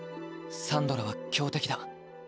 サンドラは強敵だ。